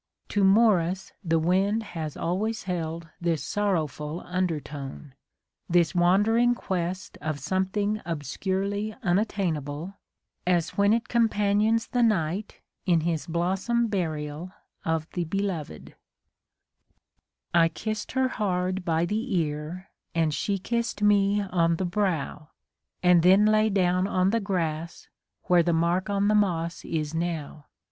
To Morris the wind has always held this sorrowful undertone, — this wandering quest of something obscurely unattainable, as when it companions the knight in his blossom burial of the beloved. A DAY WITH WILLIAM MORRIS. I kiss'd her hard by the ear, and she kiss'd me on the brow, And then lay down on the grass, where the mark on the moss is now.